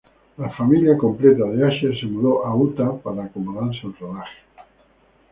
La familia completa de Asher se mudó a Utah para acomodarse al rodaje.